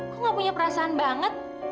kok gak punya perasaan banget